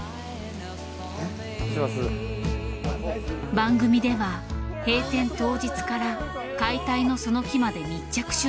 番組では閉店当日から解体のその日まで密着取材。